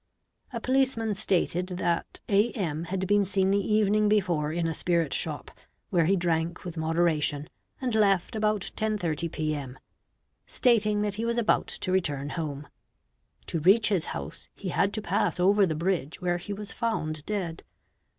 A policeman stated that A.M., had been seen the evening before in a spirit shop, where he drank with moderation and left about 10 30 P.m., stating that he was about to return home. To reach his house he had to pass over the bridge where he was found dead.